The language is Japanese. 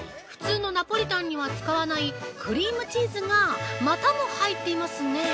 普通のナポリタンには使わないクリームチーズがまたも入っていますね。